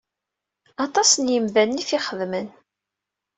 Aṭas n yimdanen i t-ixeddmen.